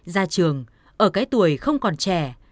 ra trường ở cái tuổi không còn trẻ